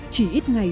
chỉ ít ngày